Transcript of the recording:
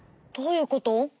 どういうこと？